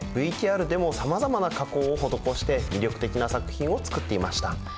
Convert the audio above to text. ＶＴＲでもさまざまな加工を施して魅力的な作品を作っていました。